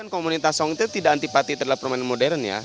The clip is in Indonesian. komunitas hong itu tidak antipati dengan permainan modern ya